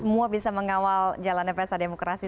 semua bisa mengawal jalannya pesta demokrasi